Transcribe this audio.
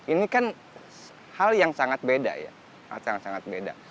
ini kan hal yang sangat beda ya